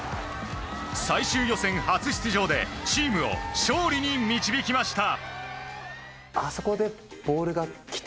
最終予選初出場でチームを勝利に導きました。